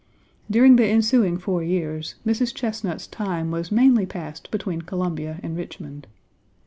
During the ensuing four years, Mrs. Chesnut's time was mainly passed between Columbia and Richmond.